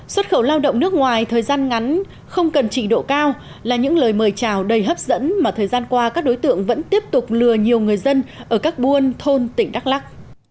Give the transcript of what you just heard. xuất khẩu lao động nước ngoài thời gian ngắn không cần trình độ cao là những lời mời chào đầy hấp dẫn mà thời gian qua các đối tượng vẫn tiếp tục lừa nhiều người dân ở các buôn thôn tỉnh đắk lắc